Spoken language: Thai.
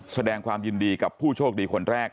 แสดงความยินดีกับผู้โชคดีคนแรก